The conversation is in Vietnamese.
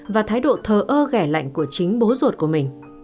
và thái độ thờ ơ gẻ lạnh của chính bố ruột của mình